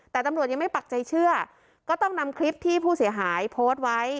แต่ตำรวจยังไม่ปักใจเชื่อก็ต้องนำคลิปที่ผู้เสียหายโพสต์ไว้